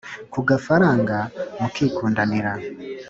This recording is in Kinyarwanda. kugafaranga mukikundanira